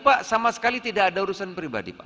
pak sama sekali tidak ada urusan pribadi pak